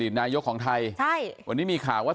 อเงินนายยกของไทยวันนี้มีข่าวว่า